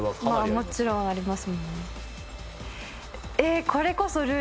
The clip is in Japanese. もちろんありますもんねえー